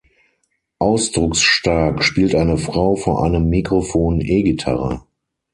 Ausdrucksstark spielt eine Frau vor einem Mikrofon E-Gitarre.